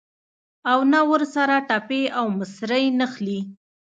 او نه ورسره ټپې او مصرۍ نښلي.